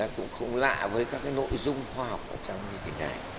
cũng không lạ với các nội dung khoa học ở trong như thế này